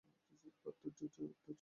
ধৈর্য ধরে থাকো।